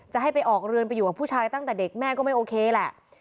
จะให้ไปออกเรือนไปอยู่กับผู้ชายตั้งแต่เด็กแม่ก็ไม่โอเคแหละ